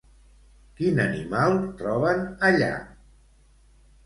Quin animal troben allà?